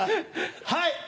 はい。